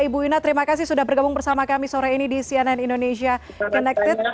ibu ina terima kasih sudah bergabung bersama kami sore ini di cnn indonesia connected